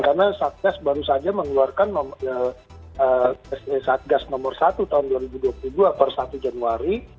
karena satgas baru saja mengeluarkan satgas nomor satu tahun dua ribu dua puluh dua per satu januari